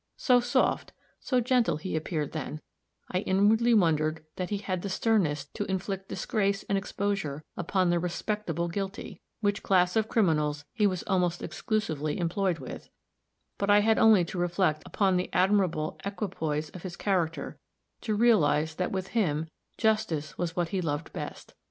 So soft, so gentle he appeared then, I inwardly wondered that he had the sternness to inflict disgrace and exposure upon the "respectable" guilty which class of criminals he was almost exclusively employed with but I had only to reflect upon the admirable equipoise of his character, to realize that with him justice was what he loved best.